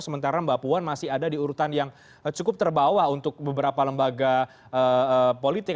sementara mbak puan masih ada di urutan yang cukup terbawah untuk beberapa lembaga politik